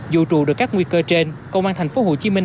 dù trù được các nguy cơ trên công an thành phố hồ chí minh